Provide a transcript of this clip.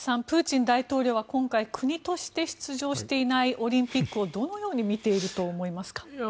プーチン大統領は今回、国として出場していないオリンピックをどのように見ていると思いますか？